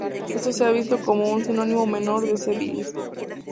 Esto se ha visto como un sinónimo menor de "C. belli".